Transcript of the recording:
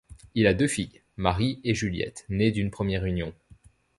Il a deux filles, Marie et Juliette, nées d'une première union.